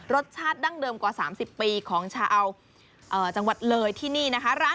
รสชาติดั้งเดิมกว่า๓๐ปีของชาวจังหวัดเลยที่นี่นะคะ